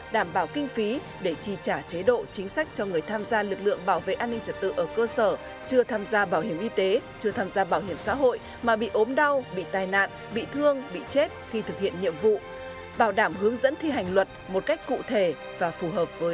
đảm bảo kinh phí để trì trả chế độ chính sách cho người tham gia lực lượng bảo vệ an ninh trật tự ở cơ sở chưa tham gia bảo hiểm y tế chưa tham gia bảo hiểm xã hội mà bị ốm đau bị tai nạn bị thương bị chết khi thực hiện nhiệm vụ